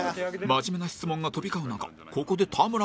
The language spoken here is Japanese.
真面目な質問が飛び交う中ここで田村が